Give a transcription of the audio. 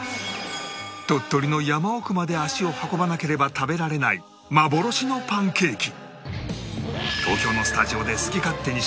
鳥取の山奥まで足を運ばなければ食べられない幻のパンケーキ